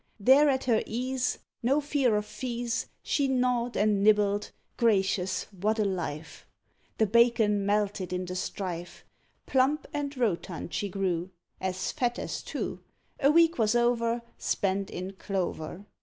There at her ease, No fear of fees, She gnawed, and nibbled: gracious, what a life! The bacon melted in the strife. Plump and rotund she grew, As fat as two. A week was over, Spent in clover.